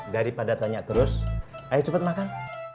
daripada tanya terus ayo cepat makan